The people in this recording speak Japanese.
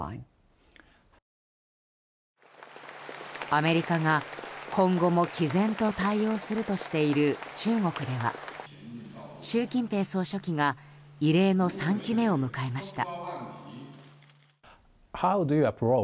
アメリカが、今後も毅然と対応するとしている中国では習近平総書記が異例の３期目を迎えました。